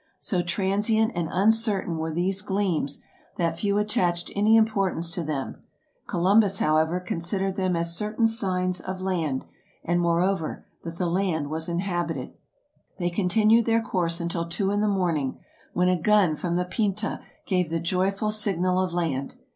So THE EARLY EXPLORERS 19 transient and uncertain were these gleams, that few attached any importance to them ; Columbus, however, considered them as certain signs of land, and, moreover, that the land was inhabited. They continued their course until two in the morning, when a gun from the '' Pinta '' gave the joyful signal of land.